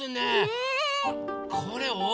うん。